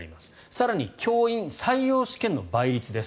更に、教員採用試験の倍率です。